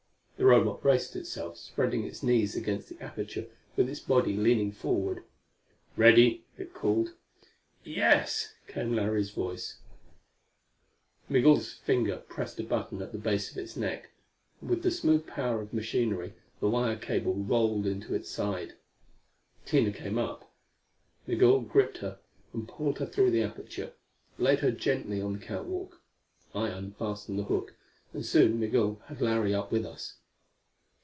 The Robot braced itself, spreading its knees against the aperture with its body leaning forward. "Ready?" it called. "Yes," came Larry's voice. Migul's finger pressed a button at the base of its neck, and with the smooth power of machinery the wire cable rolled into its side. Tina came up; Migul gripped her and pulled her through the aperture; laid her gently on the catwalk. I unfastened the hook, and soon Migul had Larry up with us.